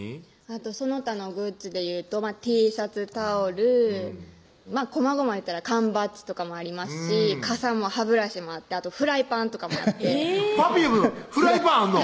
あとその他のグッズで言うとＴシャツ・タオルこまごまいったら缶バッジとかもありますし傘も歯ブラシもあってあとフライパンとかもあってＰｅｒｆｕｍｅのフライパンあんの？